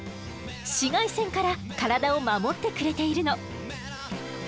紫外線からカラダを守ってくれているの。